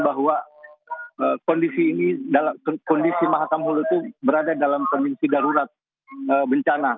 bahwa kondisi mahakam hulu itu berada dalam kondisi darurat bencana